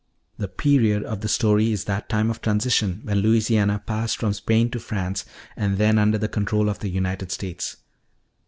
"The period of the story is that time of transition when Louisiana passed from Spain to France and then under the control of the United States.